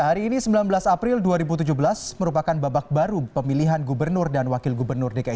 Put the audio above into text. hari ini sembilan belas april dua ribu tujuh belas merupakan babak baru pemilihan gubernur dan wakil gubernur dki jakarta